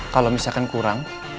kalau misalkan kurang